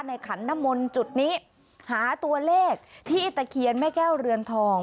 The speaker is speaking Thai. ขันนมลจุดนี้หาตัวเลขที่ตะเคียนแม่แก้วเรือนทอง